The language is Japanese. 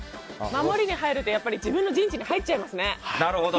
守りに入ると自分の陣地に入っちゃいますね。